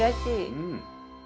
うん。